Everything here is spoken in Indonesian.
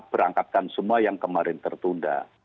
berangkatkan semua yang kemarin tertunda